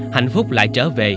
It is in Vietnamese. hạnh phúc lại trở về